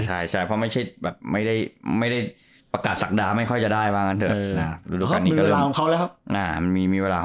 ใช่เพราะไม่ได้ประกาศสักดาไม่ค่อยจะได้บ้างกันเถอะ